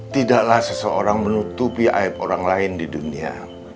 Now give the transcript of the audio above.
tidaklah seseorang menutupi aib orang lain di dunia